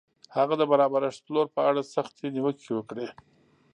هغه د برابرښت پلور په اړه سختې نیوکې وکړې.